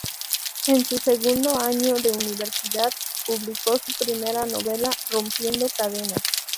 En su segundo año de universidad público su primera novela "Rompiendo cadenas".